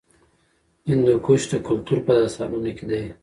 هندوکش د کلتور په داستانونو کې دی.